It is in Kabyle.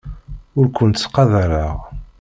Ur kent-ttqadareɣ.